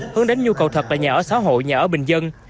hướng đến nhu cầu thật tại nhà ở xã hội nhà ở bình dân